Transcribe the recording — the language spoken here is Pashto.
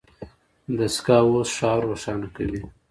دستګاه اوس ښار روښانه کوي.